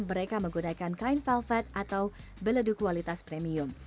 mereka menggunakan kain velvet atau beledu kualitas premium